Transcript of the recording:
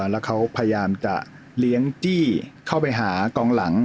แล้วเขาพยายามจะเลี้ยงจี้เข้าไปหากองหลัง